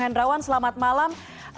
hendrawan selamat malam